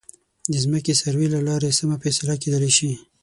د ځمکې سروې له لارې سمه فیصله کېدلی شي.